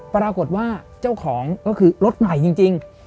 ปรากฏว่าเจ้าของก็คือรถใหม่จริง